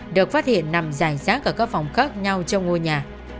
được phát hiện nằm dài rác ở các phòng khác nhau trong ngôi nhà